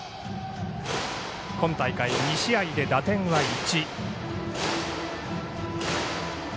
今大会２試合で打点は１。